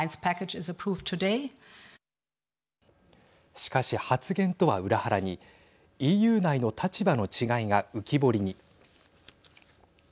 しかし、発言とは裏腹にＥＵ内の立場の違いが浮き彫りに。